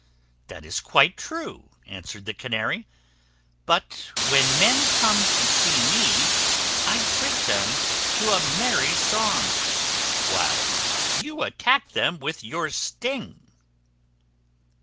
"That is quite true," answered the Canary; "but when men come to see me I treat them to a merry song, while you attack them with your sting."